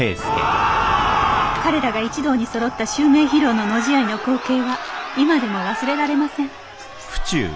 彼らが一堂にそろった襲名披露の野試合の光景は今でも忘れられません